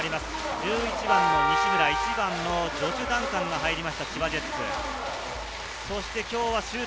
１１番の西村、１番のジョシュ・ダンカンが入りました、千葉ジェッツ。